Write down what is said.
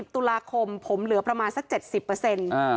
๓๐ตุลาคมผมเหลือประมาณสัก๗๐